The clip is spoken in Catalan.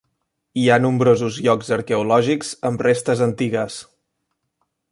Hi ha nombrosos llocs arqueològics amb restes antigues.